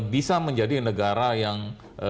bisa menjadi negara yang